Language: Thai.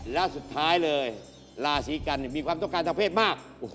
และสุดท้ายเลยราศีกันมีความต้องการทางเพศมาก